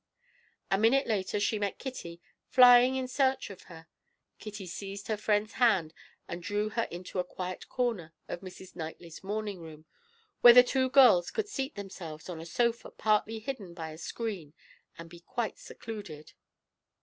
A minute later she met Kitty, flying in search of her. Kitty seized her friend's hand and drew her into a quiet corner of Mrs. Knightley's morning room, where the two girls could seat themselves on a sofa partly hidden by a screen and be quite secluded.